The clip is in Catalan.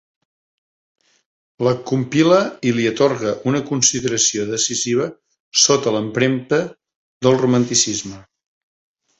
La compile i li atorgue una consideració decisiva sota l’empremta del romanticisme.